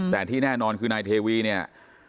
แต่ที่แน่นอนคือนายเทวีเนี่ย